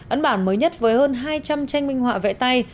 ấn bản mới nhất với hơn hai trăm linh tranh minh họa vẽ tay